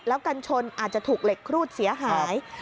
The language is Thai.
แล้วกันชนอาจจะถูกเหล็กครูดเสียหาย